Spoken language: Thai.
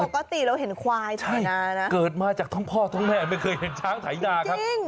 ปกติเราเห็นควายไถนานะเกิดมาจากทั้งพ่อทั้งแม่ไม่เคยเห็นช้างไถนาครับ